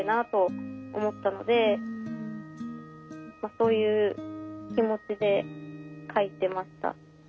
☎そういう気持ちで書いてました。